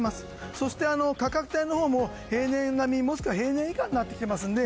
そして、価格帯のほうも平年並みもしくは平年以下になってきていますので